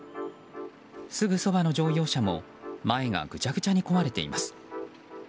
すぐそばの乗用車も前がぐちゃぐちゃに壊れています。